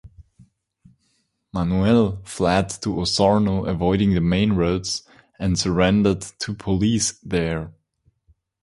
Manuel fled to Osorno avoiding the main roads and surrendered to police there.